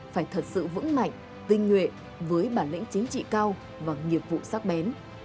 phải thật sự vững mạnh tinh nhuệ với bản lĩnh chính trị cao và nghiệp vụ sắc bén